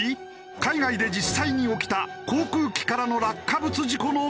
海外で実際に起きた航空機からの落下物事故の恐怖。